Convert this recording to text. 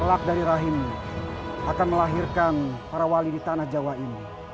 kelak dari rahim akan melahirkan para wali di tanah jawa ini